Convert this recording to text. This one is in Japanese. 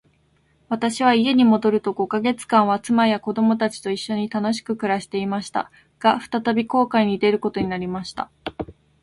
私は家に戻ると五ヵ月間は、妻や子供たちと一しょに楽しく暮していました。が、再び航海に出ることになりました。